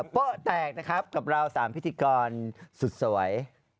โป๊ะแตกนะครับกับเรา๓พิธีกรสุดสวย